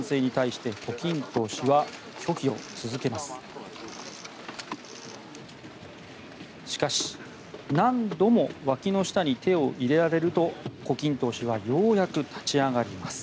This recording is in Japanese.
しかし、何度もわきの下に手を入れられると胡錦涛氏はようやく立ち上がります。